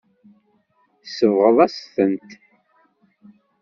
Tsebɣeḍ-as-tent.